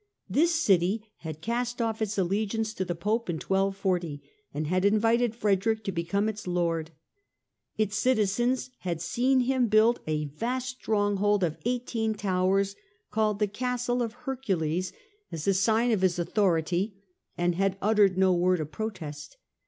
This city had cast off its allegiance to the Pope in 1240 and had invited Frederick to become its Lord. Its citizens had seen him build a vast stronghold of eighteen towers, called the Castle of Hercules, as a sign A NEW ENEMY 213 of his authority, and had uttered no word of protest.